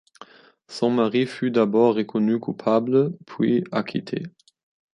Son mari fût d’abord reconnu coupable, puis acquitté.